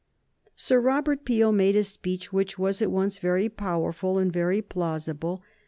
Sir Robert Peel made a speech which was at once very powerful and very plausible.